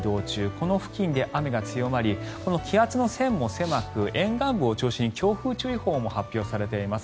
この付近で雨が強まり気圧の線も狭く沿岸部を中心に強風注意報も発表されています。